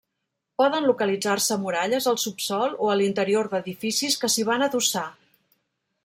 Poden localitzar-se muralles al subsòl o a l'interior d'edificis que s'hi van adossar.